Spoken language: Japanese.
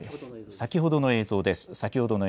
先ほどの映像です。